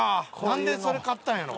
なんでそれ買ったんやろ？